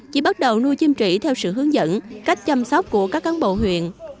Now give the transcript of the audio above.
chị bắt đầu nuôi chim chỉ theo sự hướng dẫn cách chăm sóc của các cán bộ huyện